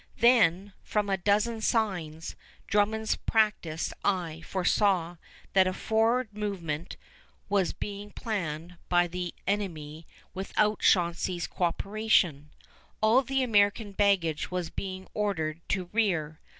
Then, from a dozen signs, Drummond's practiced eye foresaw that a forward movement was being planned by the enemy without Chauncey's coöperation. All the American baggage was being ordered to rear.